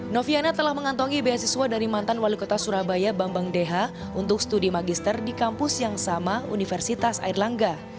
noviana telah mengantongi beasiswa dari mantan wali kota surabaya bambang deha untuk studi magister di kampus yang sama universitas airlangga